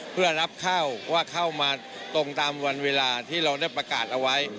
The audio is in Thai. เพื่อรับเข้าว่าเข้ามาตรงตามวันเวลาที่เราได้ประกาศเอาไว้